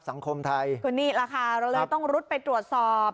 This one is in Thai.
สังคมไทยก็นี่แหละค่ะเราเลยต้องรุดไปตรวจสอบ